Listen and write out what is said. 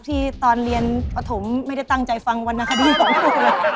ที่ตอนเรียนปฐมไม่ได้ตั้งใจฟังวรรณคดีของลูกเลย